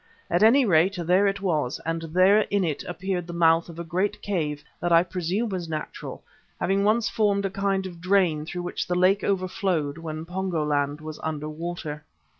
At any rate there it was, and there in it appeared the mouth of a great cave that I presume was natural, having once formed a kind of drain through which the lake overflowed when Pongo land was under water.